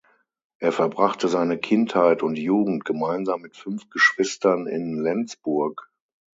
Er verbrachte seine Kindheit und Jugend gemeinsam mit fünf Geschwistern in Lenzburg.